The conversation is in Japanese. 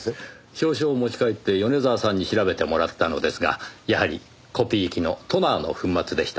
少々持ち帰って米沢さんに調べてもらったのですがやはりコピー機のトナーの粉末でした。